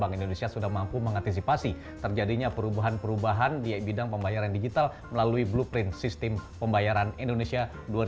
dan bank indonesia sudah mampu mengantisipasi terjadinya perubahan perubahan di bidang pembayaran digital melalui blueprint sistem pembayaran indonesia dua ribu dua puluh lima